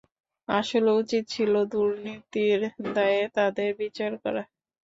আসলে উচিত ছিল দুর্নীতির দায়ে তাঁদের বিচার করা।